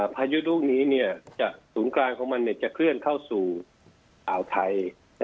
พายุรุ่งนี้เนี่ยศูนย์กลางของมันเนี่ยจะเคลื่อนเข้าสู่อ่าวไทย